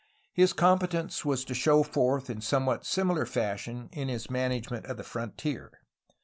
His competence was to show forth in somewhat similar fashion in his management of the frontier.